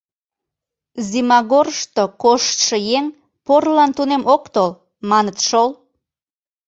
Зимагорышто коштшо еҥ порылан тунем ок тол, маныт шол.